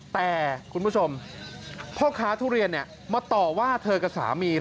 แต่คุณผู้ชมพ่อค้าทุเรียนมาต่อว่าเธอกับสามี